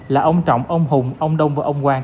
là ông trọng ông hùng ông đông và ông quang